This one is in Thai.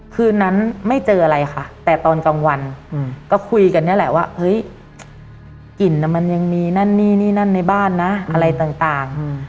คืนนั้นไม่เจออะไรค่ะแต่ตอนกลางวันก็คุยกันนี่แหละว่าเฮ้ยกลิ่นมันยังมีนั่นนี่นี่นั่นในบ้านนะอะไรต่าง